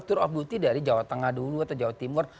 tour of duty dari jawa tengah dulu atau jawa timur